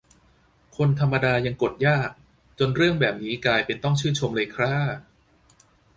คนธรรมดายังกดยาก จนเรื่องแบบนี้กลายเป็นต้องชื่นชมเลยคร่า